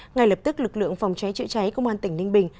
ngay lập tức lực lượng phòng cháy chữa cháy công an tỉnh ninh bình